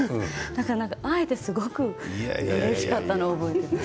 だから会えてすごくうれしかったのを覚えています。